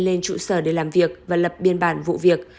lên trụ sở để làm việc và lập biên bản vụ việc